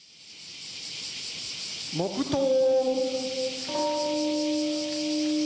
黙とう。